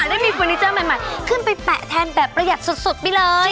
ได้มีเฟอร์นิเจอร์ใหม่ขึ้นไปแปะแทนแบบประหยัดสุดไปเลย